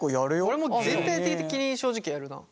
俺も全体的に正直やるな。